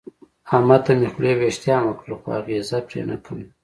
احمد ته مې خولې وېښتان وکړل خو اغېزه پرې نه کوي.